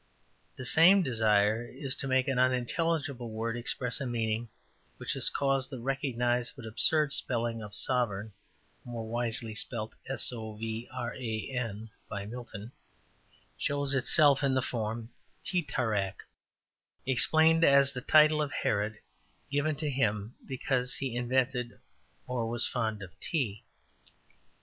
The same desire to make an unintelligible word express a meaning which has caused the recognised but absurd spelling of sovereign (more wisely spelt sovran by Milton) shows itself in the form ``Tea trarck'' explained as the title of Herod given to him because he invented or was fond of tea.